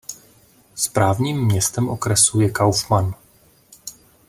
Správním městem okresu je Kaufman.